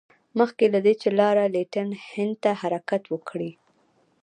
مخکې له دې چې لارډ لیټن هند ته حرکت وکړي.